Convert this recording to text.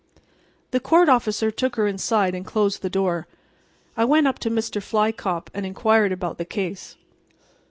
The court officer took her inside and closed the door. I went up to Mr. Fly Cop and inquired about the case.